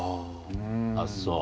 あっそう？